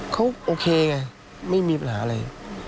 เขาโอเคไงไม่มีปัญหาอะไร